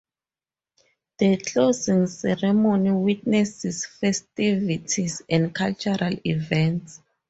The closing ceremony witnesses festivities and cultural events.